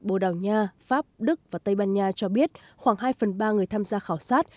bồ đào nha pháp đức và tây ban nha cho biết khoảng hai phần ba người tham gia khảo sát